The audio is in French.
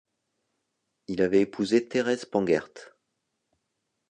Il avait épousé Thérèse Pangaert.